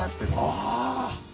ああ！